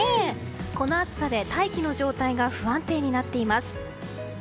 この暑さで大気の状態が不安定になっています。